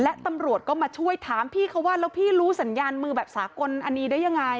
และตำรวจก็มาช่วยถามพี่เขาว่าแล้วพี่รู้สัญญาณมือแบบสากลอันนี้ได้ยังไง